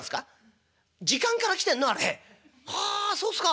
ああそうっすか。